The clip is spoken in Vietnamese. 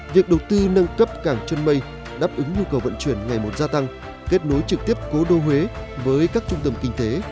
việc đầu tư nâng cấp cảng chân mây đáp ứng nhu cầu vận chuyển ngày một gia tăng kết nối trực tiếp cố đô huế với các trung tâm kinh tế